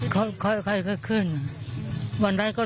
เกิดมาไม่คิดว่าจะเจอกับน้ำท่วมแบบนี้ค่ะ